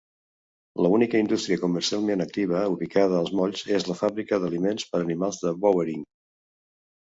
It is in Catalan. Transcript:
La única indústria comercialment activa ubicada als molls és la Fàbrica d'Aliments per Animals de Bowering.